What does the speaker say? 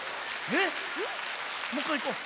もういっかいいこう。